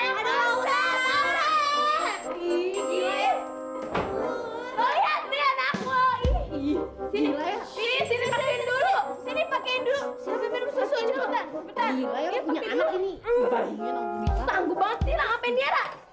sampai jumpa di video selanjutnya